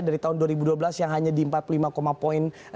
dari tahun dua ribu dua belas yang hanya di empat puluh lima poin